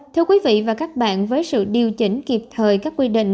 thưa quý vị và các bạn với sự điều chỉnh kịp thời các quy định